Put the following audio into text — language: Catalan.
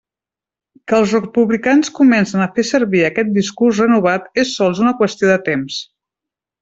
Que els republicans comencen a fer servir aquest discurs renovat és sols una qüestió de temps.